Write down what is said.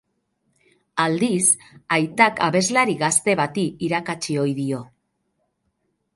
Aldiz, aitak abeslari gazte bati irakatsi ohi dio.